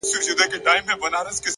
بریالی انسان عذرونه نه لټوي,